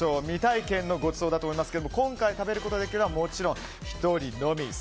未体験のごちそうだと思いますが今回、食べることができるのはもちろん１人のみ。